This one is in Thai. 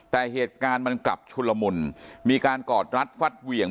แต่เหตุการณ์มันกลับชุนละมุนมีการกอดรัดฟัดเหวี่ยง